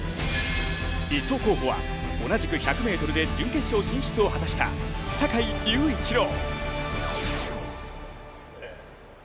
１走候補は同じく１００ｍで準決勝進出を果たした坂井隆一郎。